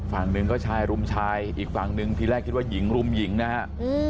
ฝั่งหนึ่งก็ชายรุมชายอีกฝั่งหนึ่งทีแรกคิดว่าหญิงรุมหญิงนะฮะ